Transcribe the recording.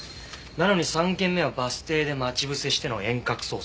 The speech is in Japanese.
なのに３件目はバス停で待ち伏せしての遠隔操作。